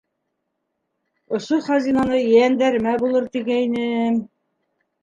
Ошо хазинаны ейәндәремә булыр тигәйнем...